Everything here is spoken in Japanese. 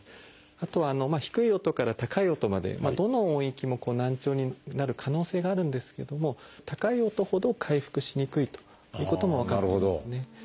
あと低い音から高い音までどの音域も難聴になる可能性があるんですけども高い音ほど回復しにくいということも分かってますね。